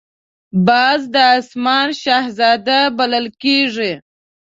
باز د آسمان شهزاده بلل کېږي